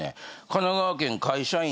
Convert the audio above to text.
神奈川県会社員